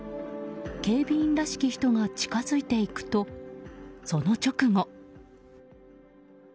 警備員らしき人が近づいていくとその直後。